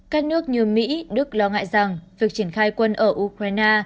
các nước như mỹ đức lo ngại rằng việc triển khai quân ở ukraine